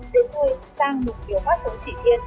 đến hơi sang nhục điều phát xuống trị thiên